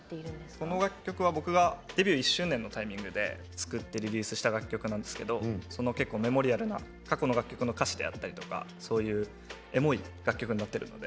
この楽曲は僕がデビュー１周年のタイミングで作ってリリースした楽曲なんですけどメモリアルな過去の楽曲の歌詞であったりエモい楽曲になってるので